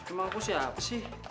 emang aku siapa sih